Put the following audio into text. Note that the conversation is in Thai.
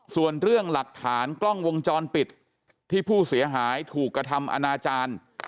ส่วนเรื่องหลักฐานกล้องวงจรปิดที่ผู้เสียหายถูกกระทำอนาจารย์